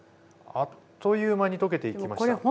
あっという間に溶けていきました。